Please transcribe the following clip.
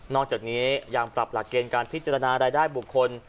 จากนี้ยังปรับหลักเกณฑ์การพิจารณารายได้บุคคล